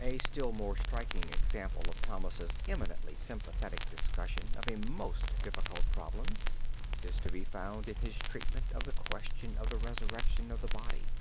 A still more striking example of Thomas's eminently sympathetic discussion of a most difficult problem, is to be found in his treatment of the question of the Resurrection of the Body.